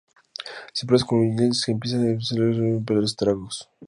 Sin pruebas concluyentes, se piensa que servía de lugar de reunión para los estrategos.